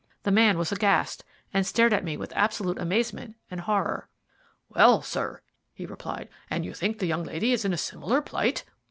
The man was aghast, and stared at me with absolute amazement and horror. "Well, sir," he replied, "and you think the young lady is in a similar plight?"